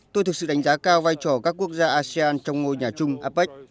tôi thực sự đánh giá cao vai trò các quốc gia asean trong ngôi nhà chung apec